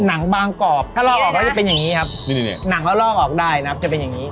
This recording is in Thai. บางกอกถ้าลอกออกแล้วจะเป็นอย่างนี้ครับหนังแล้วลอกออกได้นะครับจะเป็นอย่างนี้